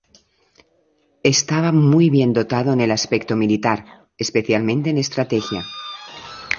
Estaba muy bien dotado en el aspecto militar, especialmente en estrategia.